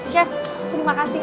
chef terima kasih